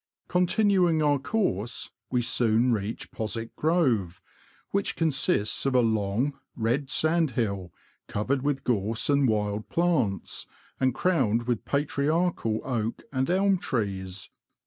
Continuing our course, we soon reach Postwick Grove, which consists of a long, red sand hill, covered with gorse and wild plants, and crowned with patriarchal oak and elm trees..